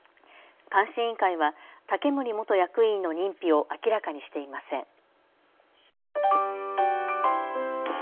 監視委員会は竹森元役員の認否を明らかにしていません。